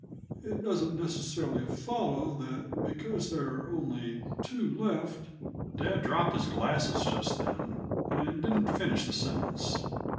It doesn't necessarily follow that because there are only two left " Dad dropped his glasses just then, and didn't finish the sentence.